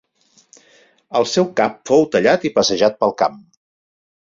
El seu cap fou tallat i passejat pel camp.